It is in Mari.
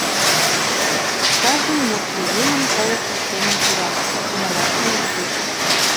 Кажне мутшо еҥын пылышыш шеҥын пура, шонымашым луктеш.